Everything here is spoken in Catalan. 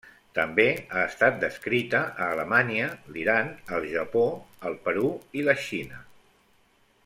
També ha estat descrita a Alemanya, l'Iran, el Japó, el Perú i la Xina.